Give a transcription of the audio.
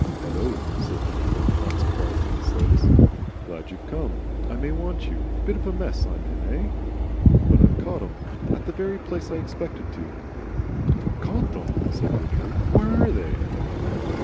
"Hullo!" said Dangle, not surprised in the slightest. "Glad you've come. I may want you. Bit of a mess I'm in eigh? But I've caught 'em. At the very place I expected, too." "Caught them!" said Widgery. "Where are they?"